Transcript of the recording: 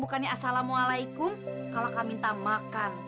bukannya assalamualaikum kalau kamu minta makan